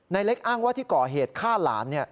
เล็กอ้างว่าที่ก่อเหตุฆ่าหลาน